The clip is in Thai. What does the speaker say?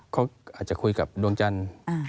เขาอาจจะคุยกับดวงจันทร์